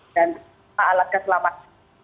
alat keselamatan kapal mbak